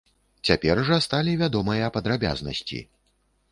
Цяпер жа сталі вядомыя падрабязнасці.